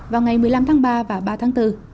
vào ngày một mươi năm tháng ba và ba tháng bốn